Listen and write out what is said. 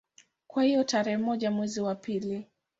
Kwa hiyo tarehe moja mwezi wa pili